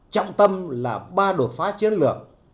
trọng tâm là ba đột phá chiến lược